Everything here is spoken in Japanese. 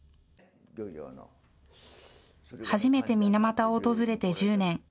初めて水俣を訪れて１０年。